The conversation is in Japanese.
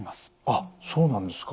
あっそうなんですか。